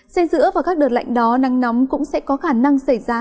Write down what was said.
xe giữa và các đợt lạnh đó nắng nóng cũng sẽ có khả năng xảy ra